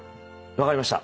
分かりました。